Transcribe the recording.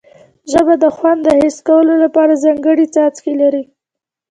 ژبه د خوند د حس کولو لپاره ځانګړي څکي لري